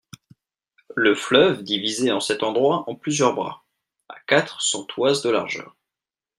Le fleuve divisé en cet endroit en plusieurs bras, a quatre cents toises de largeur.